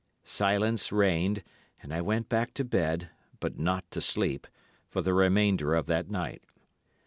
Silence reigned, and I went back to bed—but not to sleep—for the remainder of that night.